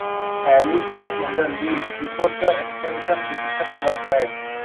Harris was in the lead before the extension decision was made.